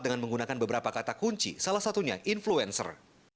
dengan menggunakan beberapa kata kunci salah satunya influencer